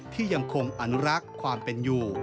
ที่ยังคงอนุรักษ์ความเป็นอยู่